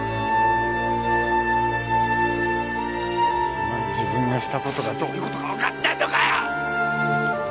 お前自分がしたことがどういうことか分かってんのかよ！？